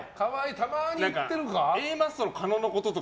たまに言ってるか。